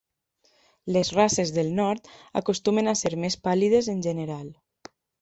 Les races del nord acostumen a ser més pàl·lides en general.